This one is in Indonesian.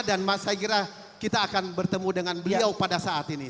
dan saya kira kita akan bertemu dengan beliau pada saat ini